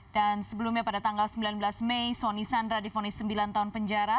dan sebelumnya pada tanggal sembilan belas mei soni sandra difonis sembilan tahun penjara